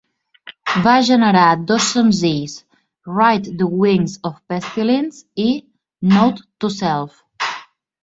Va generar dos senzills: "Ride the Wings of Pestilence" i "Note to Self".